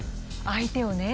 相手をね。